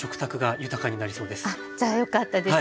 あっじゃあよかったです。